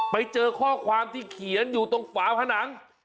ไปเจอข้อความที่เขียนอยู่ตรงฝาผนัง